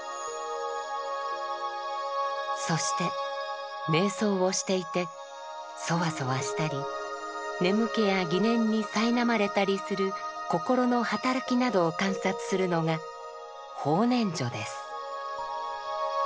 そして瞑想をしていてそわそわしたり眠気や疑念にさいなまれたりする心の働きなどを観察するのが「法念処」です。